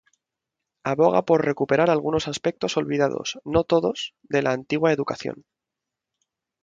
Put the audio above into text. Aboga por recuperar algunos aspectos olvidados, no todos, de la antigua educación.